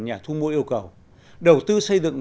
nhà thu mua yêu cầu đầu tư xây dựng